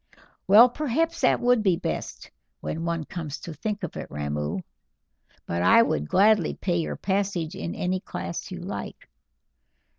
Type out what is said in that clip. "Well, perhaps it would be best, when one comes to think of it, Ramoo; but I would gladly pay your passage in any class you like."